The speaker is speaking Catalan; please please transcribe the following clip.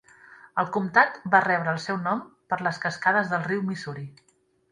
El comtat va rebre el seu nom per les cascades del riu Missouri.